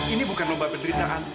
ini bukan lomba penderitaan